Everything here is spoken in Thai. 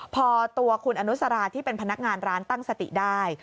พอตัวคุณอนุสราที่เป็นพนักงานร้านตั้งสติได้